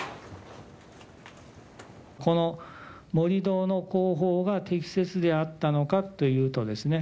この盛り土の工法が適切であったのかというとですね